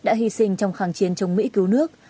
đã hy sinh trong kháng chiến chống mỹ cứu nước